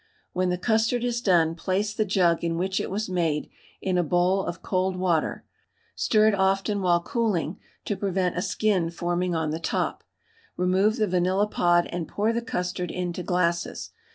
When the custard is done place the jug in which it was made in a bowl of cold water, stir it often while cooling to prevent a skin forming on the top. Remove the vanilla pod and pour the custard into glasses.